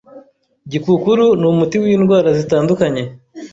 Gikukuru ni umuti w’indwara zitandukanye